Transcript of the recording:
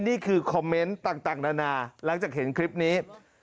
นี่คือคอมเมนต์ต่างนานาหลังจากเห็นคลิปนี้